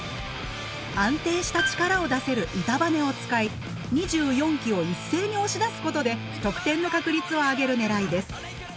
安定した力を出せる板バネを使い２４機を一斉に押し出すことで得点の確率を上げる狙いです。